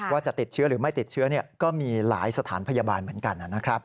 ว่าจะติดเชื้อหรือไม่ติดเชื้อก็มีหลายสถานพยาบาลเหมือนกันนะครับ